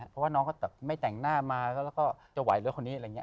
เพราะว่าน้องก็ไม่แต่งหน้ามาแล้วก็จะไหวด้วยคนนี้อะไรอย่างนี้